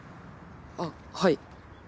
あっはい。